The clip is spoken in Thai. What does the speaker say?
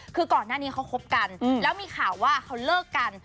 คือก่อนหน้านี้เขาคบกันแล้วมีข่าวว่าเขาเลิกกัน